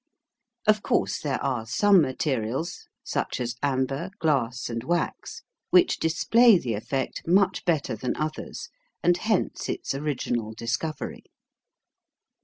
Of course there are some materials, such as amber, glass, and wax, which display the effect much better than others, and hence its original discovery.